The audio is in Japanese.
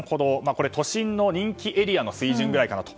これは都心の人気エリアの水準ぐらいかなと。